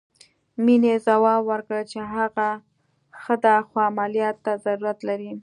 مينې ځواب ورکړ چې هغه ښه ده خو عمليات ته ضرورت لري.